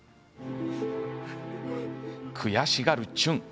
悔しがるチュン。